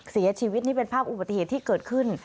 เสียชีวิตนี่เป็นภาพอุบัติเหตุที่เกิดขึ้น